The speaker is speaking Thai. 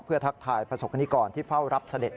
เพื่อทักทายประสบกรณิกรที่เฝ้ารับเสด็จ